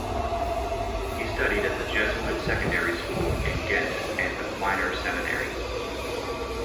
He studied at the Jesuit secondary school in Ghent and the minor seminary.